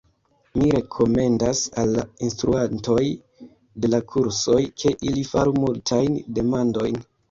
Mi rekomendas al la instruantoj de la kursoj, ke, ili faru multajn demandojn.